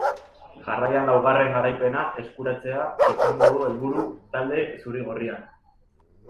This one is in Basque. Jarraian laugarren garaipena eskuratzea izango du helburu talde zuri-gorriak.